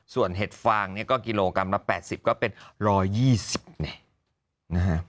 ส่วนเห็ดฟางเนี่ยก็กิโลกรัมละ๘๐ก็เป็น๑๒๐เนี่ยนะฮะ